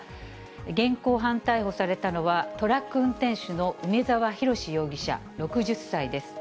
現行犯逮捕されたのは、トラック運転手の梅沢洋容疑者６０歳です。